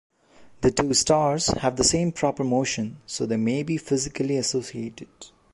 The two stars have the same proper motion, so they may be physically associated.